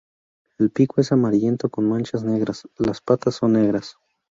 El pico es amarillento con manchas negras; las patas son negras.